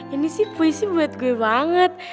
ini sih puisi buat gue banget